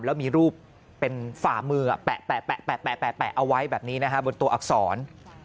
แล้วมีรูปเป็นฝ่ามือแปะเอาไว้แบบนี้นะฮะบนตัวอักษร